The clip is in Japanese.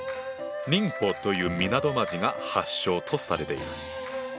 寧波という港町が発祥とされている。